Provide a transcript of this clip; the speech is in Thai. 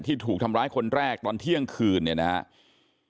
ถูกทำร้ายคนแรกตอนเที่ยงคืนเนี่ยนะครับ